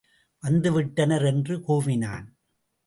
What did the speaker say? வந்து விட்டனர், என்று கூவினான்.